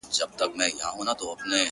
په زړه کي مي خبري د هغې د فريادي وې~